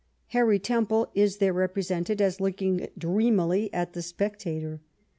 Harry Temple i& there represented as looking dreamily at the spectator.